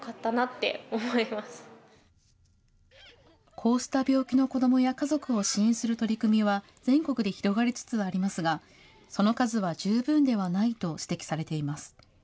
こうした病気の子どもや家族を支援する取り組みは、全国で広がりつつありますが、その数は十分ではないと指摘されています。